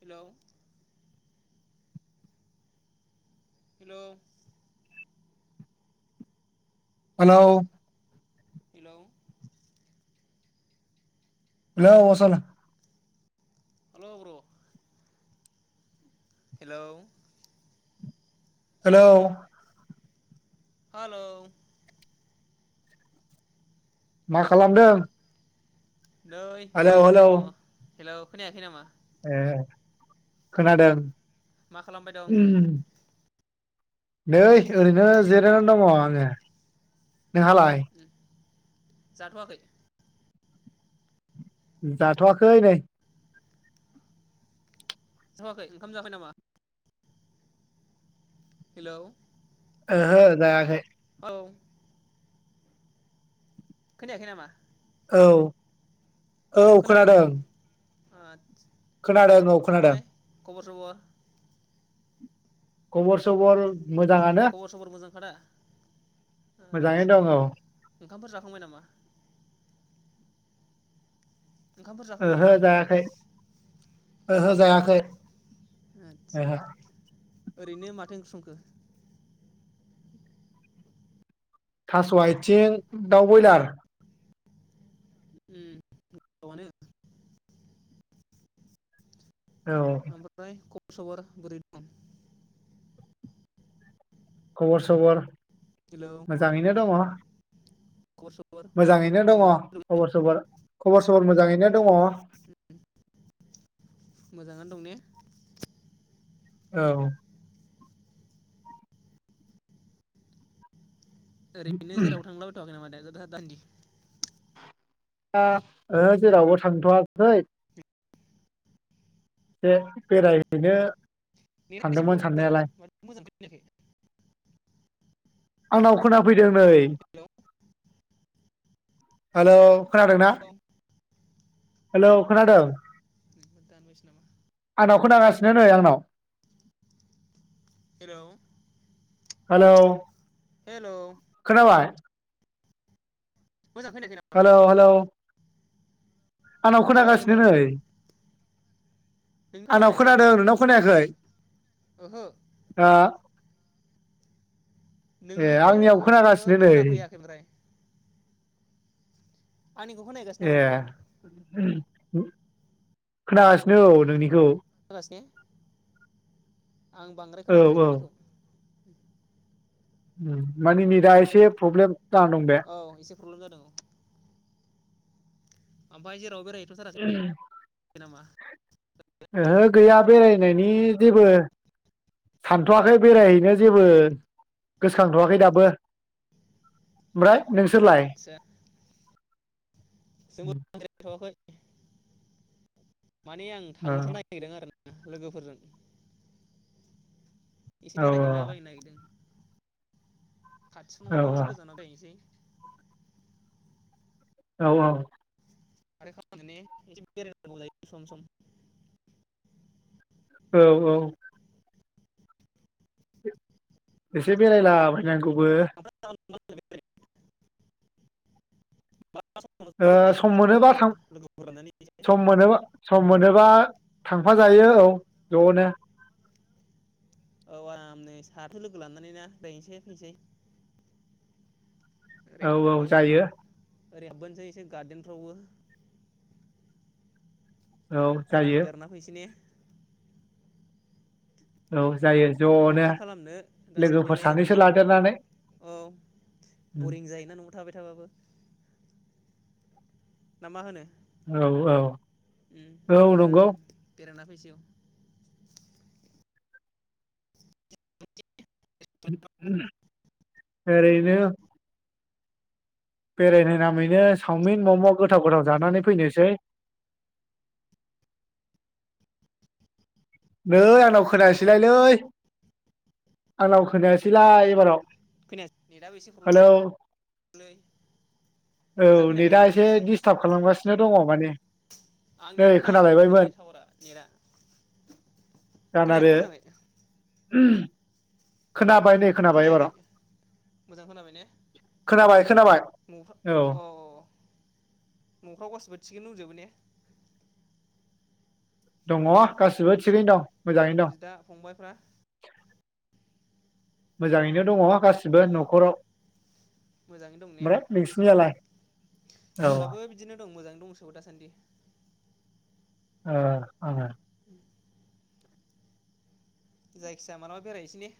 हेल' हेल' हेल' hello हेल' आसोल हेल' ब्र' hello hello हालौ मा हेलौ खालामदों? नै हेलौ ओरैनो हेलौ दङ। हेल्ल' खनोनायाखै नामा? ए खोनादों। मा खालामबाय दं? उम नै ओरैनो जिरायनानै दङ आङो। नोंहालाय? जाथवाखै? जाथआखै नै। जाथवाखै ओंखाम जायाखै नामा? हेलौ औहो जायाखै। औ खोनायाखै नामा? औ औ खोनादों। आ [unintelligible] खोनादों औ खोनादों। खबर सबर? खबर सबर मोजाङानो खबर सबर मोजांखादा मोजाङै आदसा दं औ ओंखामफोर जाखांबाय नामा? ओंखामफोर जाखांबाय ओहो नामा जायाखै ओहो जाथ'वाखै ने जायाखै आदसा ओहो ओरैनो माथो ओंख्रि संखो? थास आथिं दाउ बयलार उम गोथावानो। औ ओमफ्राय खब सबर बौरै दं? खबर सबर हेलौ मोजाङैनो दङ। खबर सबर मोजाङैनो दङ मोजाङैनो खबर सबर खबर सबर दं मोजाङैनो दङ मोजाङानो दं ने औ ओरैनो जेराव थांलाबायथवाखै नामा दा? दा दान्दि ओ ओहो जेरावबो थांथवाखै एसे बेरायहैनो नेटा एसे सानदोंमोन प्रब्लेम नामा साननायालाय माथो मोजां खोनायाखै आंनाव खोनाफैदों नै हेलौ हेलौ खोनादों ना हेलौ हेलौ खोनादों दानबायसो नामा आंनाव खोनागासि [unintelligible] आंनाव हेल' हेल' खोनाबाय मोजां खोनायाखै नामा हेल' हेल' आंनाव हेलौ हेलौ खोनागासिनो नै नों आंनाव खोनाफैयाखै खोनादों आंनियाव नोंनाव खोनायाखै ओहो दा नोंनिखौ आंनियाव आङो खोनागासिनो नै खोनाफैयाखै ओमफ्राय आंनिखौ खोनाहैगासिनो नामा ए नोंलाय उम खोनासिनो औ नोंनिखौ एसे आं बांद्राय औ खोनाफैयाखै औ नोंनिखौ ओम माने नेटा एसे प्रब्लेम जानानै दं बे औ एसे प्रब्लेम जादों औ ओमफाय जेरावबो बेराय हैथ'थाराखै नामा? ओहो गैया बेरायनायनि जेबो सानथ'वाखै बेरायहैनो जेबो गोसोखांथ'वाखै दाबो ओमफ्राय नोंसोरलाय? आदसा जोंबो बेराथ'याखै माने आं औ थांनोसो नायागिरदों आरो ना लोगोफोरजों इसि औ बेरायहैला बायनो नागिरदों। खाथियाव औ नङाबाबो एसे गोजानाव बेरायहैनोसै औ औ आरो हालखा मोनो ने एसे बेरानांगौलाय सम सम। औ औ एसे बेरायला बायनांगौबो। [unintelligible] ओ सम मोनोबा थां लोगोफोर लानानै सम मोनोबा सम मोनोबा थांफा जायो औ ज'नो। औ आरामनो साथो लोगो लानानै ना बेरायनोसै फैनोसै। ओरै औ औ क'क्राझार जायो ओरै हाबबोनोसै एसे गार्देनफ्रावबो औ आराम जायो बेरना फैसै ने औ जायो ज'नो माथो खालामनो लोगोफोर दासान्दिलाय सानैसो ओरैनो लादेरनानै औ बरिं जायोना नआव थाबाय थाबाबो ना मा होनो औ औ औ नंगौ गोजौ [inaudible] ओरैनो बेरायनाय नामैनो चावमिन मम गोथाव गोथाव जानानै फैनोसै नै आंनाव खोनायासैलायलै आंनाव खोनायासैलाय एबाराव खोनायासै नेटाबो एसे हेलौ प्रब्लेमलै औ मोजां खोनायाखै नेटआ ने एसे दिस्टार्ब खालामगासिनो दङ माने नै आंनियानो नाङाखोमा खोनालायबायमोन बद्राय टावारा नेटआ दाना खोनायाखै आरो मोजाङै [unintelligible] नै खोनाबाय खोनायाखै एबाराव मोजां खोनाबाय ने खोनाबाय खोनाबाय न औ अ अ न' फ्राव गासिबो थिगैनो दंजोबो ने दङ गासिबो थिगैनो दं मोजाङैनो दं बिदा फंबायफ्रा मोजाङैनो दङ गासिबो उम नखराव मोजाङै दं ने ओमफ्राय नोंसोनियालाय औ दंसो दासान्दि ओ ओं जायखिजाया मालाबा बेरायहैसै ने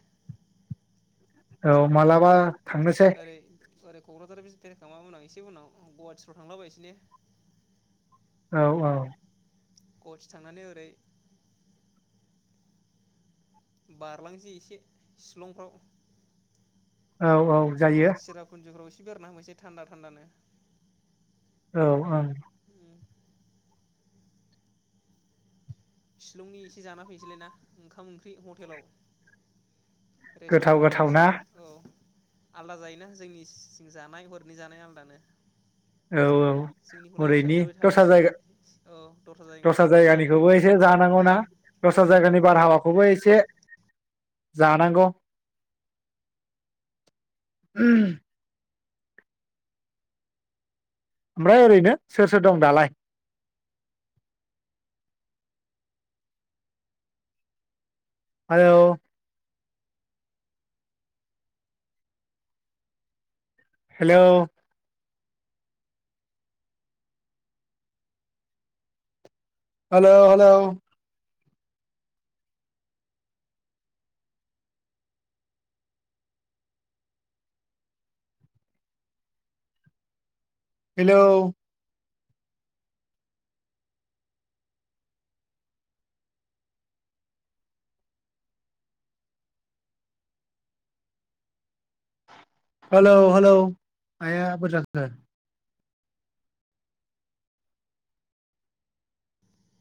औ मालाबा थांनोसै ओरै ओरै कक्राझार [inaudible] माने एसे उनाव गुवाहाटिफ्राव थांलाबायनिसै ने औ औ कच थांनानै ओरै बारलांसै एसे शिलंफ्राव औ औ जायो सिरापुनज फोराव बेरायना फैसै थान्दा थान्दानो औ ओं सिलंनि एसे जाना फैनोसैलायना ओंखाम ओंख्रि हटेलाव गोथाव रेस्टुरेन्टफ्राव गोथाव एसे ना औ आलादा जायोना जोंनिसिं जानाय हरैनि जानाय आलदानो औ औ जोंनिखौलाय बेसेबां ओरैनि जाबाय दस्रा थाबावनो जायगा औ जायगायाव दस्रा जानांगौ जायो जायगानिखौबो एसे जानांगौना उम दस्रा औ जायगानि बारहावाखौबो एसे थे जानांगौ ओमफ्राय ओरैनो सोर सोर दं दालाय? Hello hello hello hello hello hello hello आया बोरै जाखो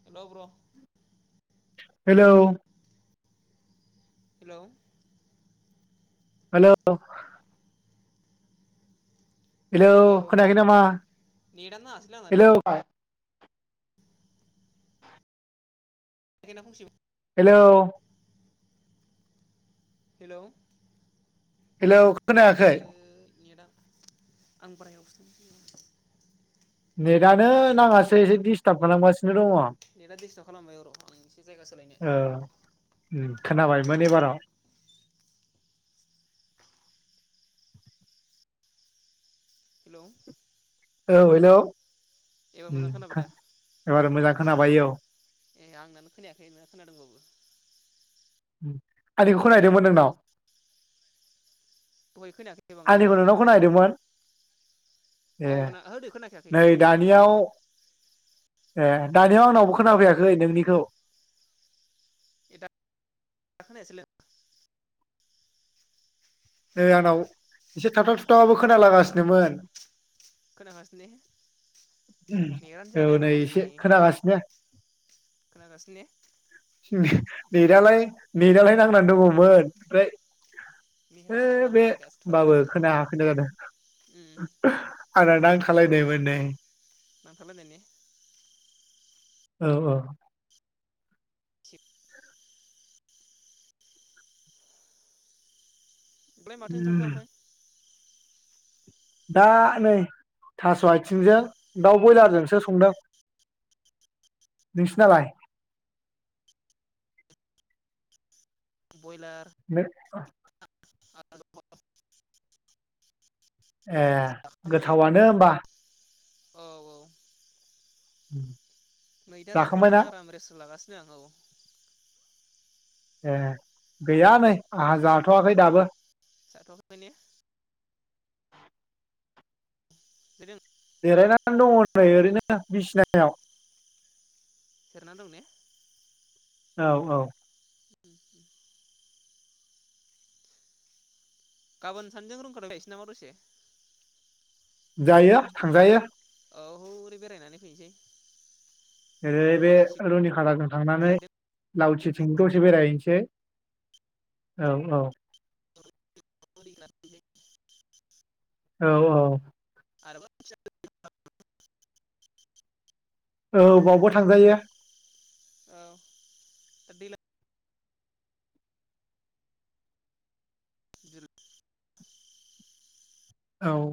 हेलौ ब्र' हेलौ हेलौ हेलौ हेलौ खोनायाखै नामा नेटानो नाङासैलै आंना हेलौ [unintelligible] हेलौ हेलौ हेलौ खोनायाखै? आइयो नेटआ आं बाराय [inaudible] नेटानो नाङासो एसे दिस्टार्ब खालाम गा नो दङ ओ नेटआ दिस्टार्ब खालामबाय र' आं एसे जायगा सोलायनो ओम खोनाबायमोन एबाराव हेलौ औ हेलौ एबार मोजां खोनाबाय दा एबार मोजां खोनाबाय औ ए आंनानो खोनायाखै नोंना खोनादोंबाबो ओम आंनिखौ खोना हैदोंमोन नोंनाव? दहाय खोनायाखै बांद्राय आंनिखौ मोजाङै। नोंनाव खोनाहैदोंमोन ए औ खोना होदो खोनाखायाखै नै दानियाव ए दानिया आंनावबो खोनाफैयाखै नोंनिखौ ए दा दा खोनायाखैसैलाय नै आंनाव एसे थाबथाब थुथाबबाबो खोनालागासिनोमोन खोनागासिनो ने नेेटानो जायालै औ आंनाव नै एसे खोनागासिनो खोनागासिनो ने? [unintelligible] नेटालाय नेटालाय नांनानै दङमोन ओमफ्राय नेटा आंनाबो नै दासो थरनो नांदों उम [unintelligible] खालायनायमोन नै नांथालायनाय ने औ औ ओमफ्रय माथो ओंखामखो ओमफ्राय दा नै थास' आथिंजों दाउ ब्रयलारजोंसो संदों नोंसिनालाय बयलार बे ए जाखांनानै गोथावानो होमबा औ औ उम मैथा जाखांनानै आराम रेस' लागासिनो जां औ ए गैया नै आंहा जाथ'वाखै दाबो [unintelligible] [unintelligible] जिरायनानै दङ नै ओरैनो बिसनायाव सेरना दं ने औ औ [inaudible] गाबोन सानजों [unintelligible] नामा दसे जायो थांजायो औ हौरै बेरायनानै फैनिसै ओरै बे रुनि खाराजों थांनानै गार्देन लावथि थिं दसे बेरायहैनस औ औ [unintelligible] औ औ [unintelligible] औ बावबो थांजायो औ [unintelligible] [unintelligible] औ